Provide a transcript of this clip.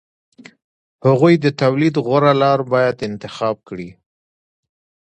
هغوی د تولید غوره لار باید انتخاب کړي